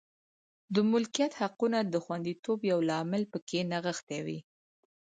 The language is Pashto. د ملکیت حقونو د خوندیتوب یو لامل په کې نغښتې وې.